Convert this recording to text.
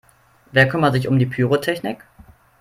Wer kümmert sich um die Pyrotechnik?